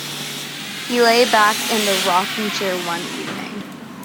He lay back in the rocking-chair one evening.